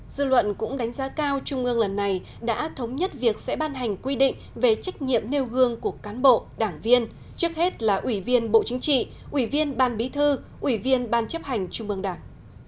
dư luận cũng đánh giá cao trung ương lần này đã thống nhất việc sẽ ban hành quy định về trách nhiệm nêu gương của cán bộ đảng viên trước hết là ủy viên bộ chính trị ủy viên ban bí thư ủy viên ban chấp hành trung ương đảng